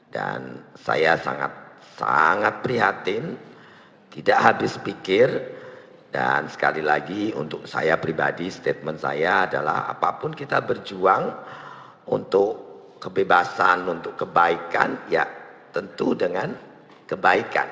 dan saya sangat sangat prihatin tidak habis pikir dan sekali lagi untuk saya pribadi statement saya adalah apapun kita berjuang untuk kebebasan untuk kebaikan ya tentu dengan kebaikan